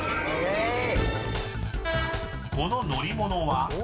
［この乗り物は？］